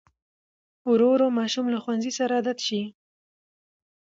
ورو ورو ماشوم له ښوونځي سره عادت شي.